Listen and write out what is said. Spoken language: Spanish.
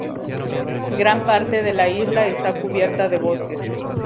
Gran parte de la isla está cubierta de bosques.